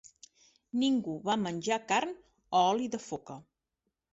Ningú va menjar carn o oli de foca.